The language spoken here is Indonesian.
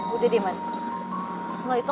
udah diem aja